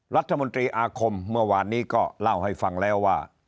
รัฐมนตรีอาคมเมื่อวานนี้ก็เล่าให้ฟังแล้วว่า